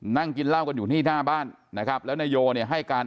นั่งกินเหล้ากันอยู่ที่หน้าบ้านนะครับแล้วนายโยเนี่ยให้การ